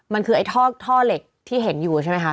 มันคือไอ้ท่อเหล็กที่เห็นอยู่ใช่ไหมคะ